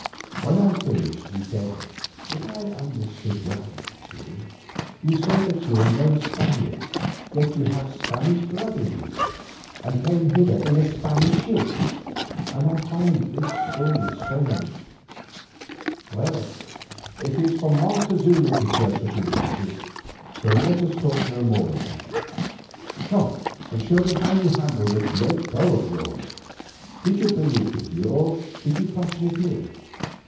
When I had finished, he said, "If I have understood aright, Teule, you say that you are no Spaniard, yet that you have Spanish blood in you, and came hither in a Spanish ship, and I find this story strange. Well, it is for Montezuma to judge of these matters, so let us talk of them no more. Come and show me how you handle that great bow of yours. Did you bring it with you or did you fashion it here?